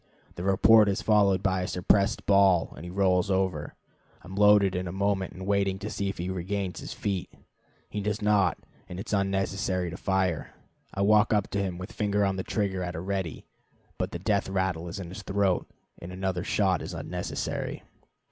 The report is followed by a suppressed bawl, and he rolls over. I am loaded in a moment and waiting to see if he regains his feet. He does not, and it is unnecessary to fire. I walk up to him with finger on trigger at a ready, but the death rattle is in his throat, and another shot is unnecessary.